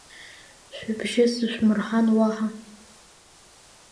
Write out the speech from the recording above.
Шәыбжьы сышәмырҳан, уаҳа…